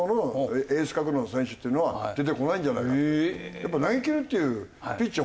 やっぱり投げきれるっていうピッチャー